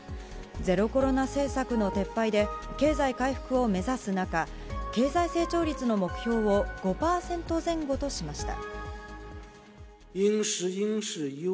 ゼロコロナ政策の撤廃で、経済回復を目指す中、経済成長率の目標を５％前後としました。